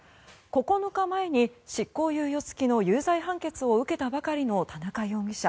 ９日前に執行猶予付きの有罪判決を受けたばかりの田中容疑者。